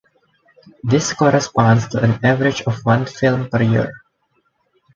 This corresponds to an average of one film per year.